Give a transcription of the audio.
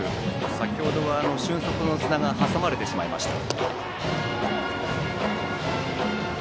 先程は俊足の津田が挟まれてしまいました。